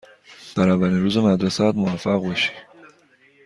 در اولین روز مدرسه ات موفق باشی.